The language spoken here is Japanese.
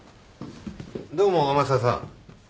どうも天沢さん。